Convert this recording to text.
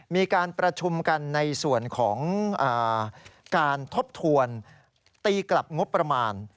มีการประชุมกันในส่วนของการทบทวนตีกลับงบประมาณ